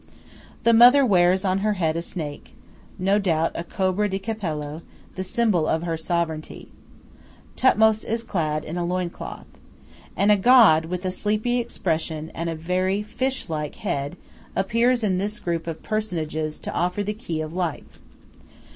The mother wears on her head a snake, no doubt a cobra di capello, the symbol of her sovereignty. Thothmes is clad in a loin cloth. And a god, with a sleepy expression and a very fish like head, appears in this group of personages to offer the key of life.